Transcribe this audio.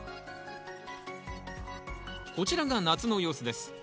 こちらが夏の様子です。